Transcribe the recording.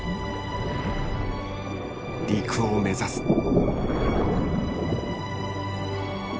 陸を目指す。